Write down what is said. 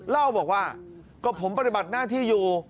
เล่าบอกว่าก็ผมปฏิบัติหน้าที่อยู่